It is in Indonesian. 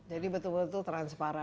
jadi betul betul transparan